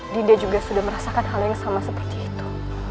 dinda juga sudah merasakan hal yang sama seperti itu